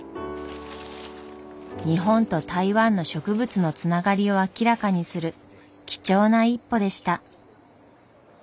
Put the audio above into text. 日本と台湾の植物のつながりを明らかにする貴重な一歩でした。